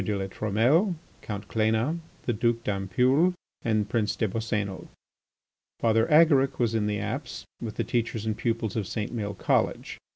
de La Trumelle, Count Cléna, the Duke d'Ampoule, and Prince des Boscénos. Father Agaric was in the apse with the teachers and pupils of St. Maël College.